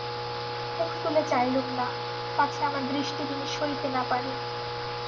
আমি মুখ তুলে চাইলুম না, পাছে আমার দৃষ্টি তিনি সইতে না পারেন।